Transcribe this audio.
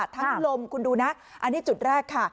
ลมคุณดูนะอันนี้จุดแรกค่ะ